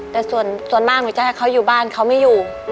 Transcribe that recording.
แต่ส่วนมากหนูจะให้เขาอยู่บ้านเขาไม่อยู่